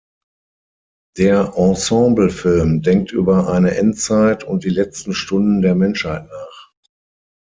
Der Ensemble-Film denkt über eine Endzeit und die letzten Stunden der Menschheit nach.